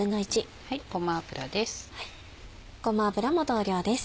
ごま油です。